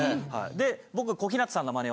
で僕小日向さんのマネを。